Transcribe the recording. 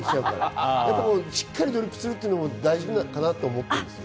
しっかりドリップするっていうのも大事かなと思います。